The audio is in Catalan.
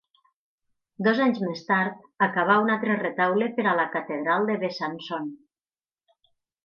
Dos anys més tard, acabà un altre retaule per a la catedral de Besançon.